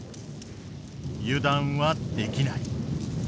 油断はできない。